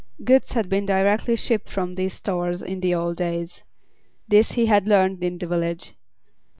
Goods had been directly shipped from these stores in the old days. This he had learned in the village.